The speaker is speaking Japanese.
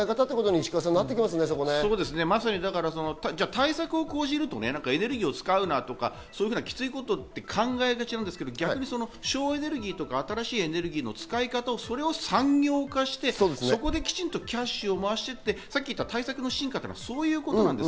石川さん、対策を講じるとエネルギーを使うなとかキツいことと考えがちなんですけど、逆に省エネルギーとか新しいエネルギーの使い方を産業化して、そこできちんとキャッシュを回して対策の進化というのはそういうことです。